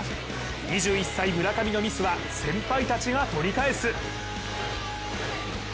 ２１歳、村上のミスは先輩たちが取り返す。